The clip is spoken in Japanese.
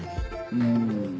うん。